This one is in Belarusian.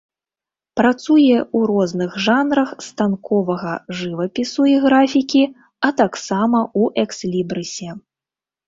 Працуе ў розных жанрах станковага жывапісу і графікі, а таксама ў экслібрысе.